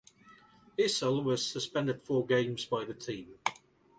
Issel was suspended four games by the team.